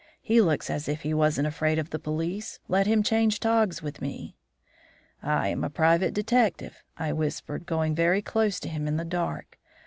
He looks as if he wasn't afraid of the police. Let him change togs with me.' "'I am a private detective,' I whispered, going very close to him in the dark.